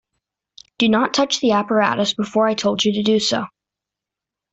Do not touch the apparatus before I told you to do so.